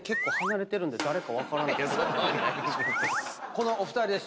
このお二人です。